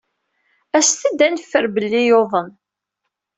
Aset-d ad neffer belli yuḍen.